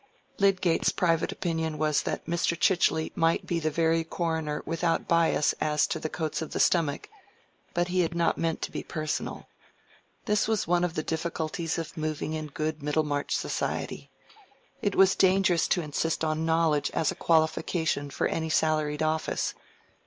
Lydgate's private opinion was that Mr. Chichely might be the very coroner without bias as to the coats of the stomach, but he had not meant to be personal. This was one of the difficulties of moving in good Middlemarch society: it was dangerous to insist on knowledge as a qualification for any salaried office.